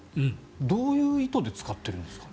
どういう意図で使っているんですか？